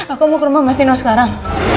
aku mau ke rumah mas dino sekarang